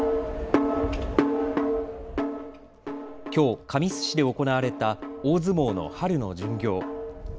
きょう神栖市で行われた大相撲の春の巡業。